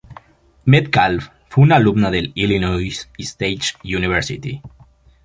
Metcalf fue una alumna del Illinois State University.